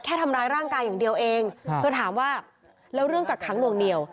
แค่ทำร้ายร่างกายอย่างเดียวเองเธอถามว่าแล้วเรื่องกักขังหน่วงเหนียว